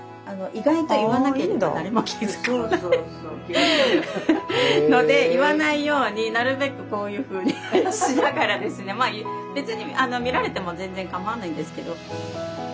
意外と言わなければ誰も気付かないので言わないようになるべくこういうふうにしながらですねまあ別に見られても全然かまわないんですけど。